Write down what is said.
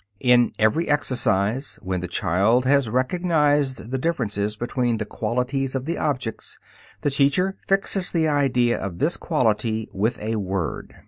In every exercise, when the child has recognized the differences between the qualities of the objects, the teacher fixes the idea of this quality with a word.